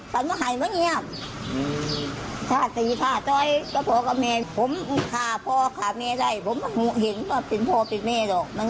ผมคาว่าพ่อคาว่าแม่ได้ผมไม่เห็นว่าเป็นพ่อเป็นแม่เลย